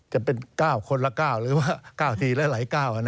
จะเป็นก้าวคนละก้าวหรือว่าก้าวทีละหลายก้าว